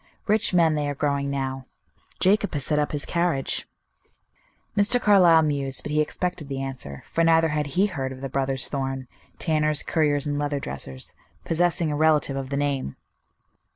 Rich men they are growing now. Jacob has set up his carriage." Mr. Carlyle mused, but he expected the answer, for neither had he heard of the brothers Thorn, tanners, curriers, and leather dressers, possessing a relative of the name.